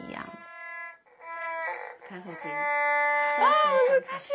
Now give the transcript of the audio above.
あ難しい！